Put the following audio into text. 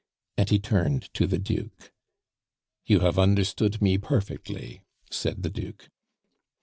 and he turned to the Duke. "You have understood me perfectly," said the Duke.